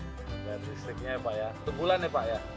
untuk bulan ya pak ya